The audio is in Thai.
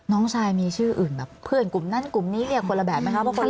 น้องชายมีชื่ออื่นแบบเพื่อนกลุ่มนั้นกลุ่มนี้เรียกคนละแบบไหมคะ